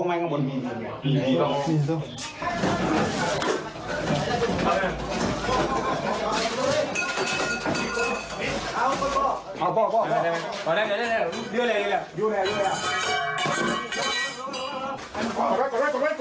หัวแรกตรงกล้อง